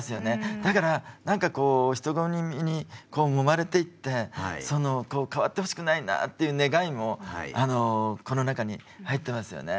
だから何かこう人混みにこうもまれていってそのこう変わってほしくないなっていう願いもこの中に入ってますよね。